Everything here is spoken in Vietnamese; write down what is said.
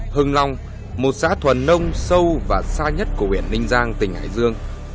hưng long một xã thuần nông sâu và xa nhất của huyện ninh giang tỉnh hải dương